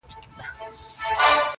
په ما ډکي خزانې دي لوی بانکونه.!